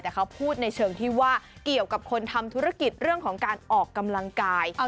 แต่เขาพูดในเชิงที่ว่าเกี่ยวกับคนทำธุรกิจเรื่องของการออกกำลังกาย